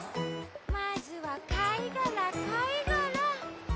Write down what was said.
まずはかいがらかいがら。